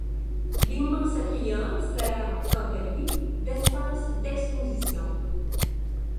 L'immense atrium sert, quant à lui, d'espace d'exposition.